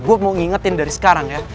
gue mau ngingetin dari sekarang ya